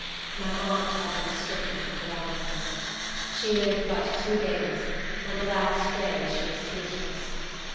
My aunt had been stricken with paralysis. She lived but two days, and the last day she was speechless.